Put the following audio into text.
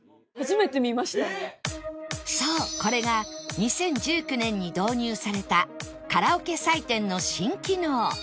そうこれが２０１９年に導入されたカラオケ採点の新機能